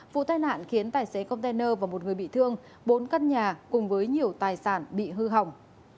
vụ tai nạn khiến tài xế container và một người bị thương bốn căn nhà cùng với nhiều tài sản bị hư hỏng